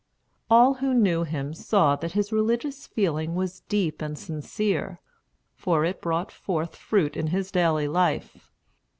All who knew him saw that his religious feeling was deep and sincere, for it brought forth fruit in his daily life.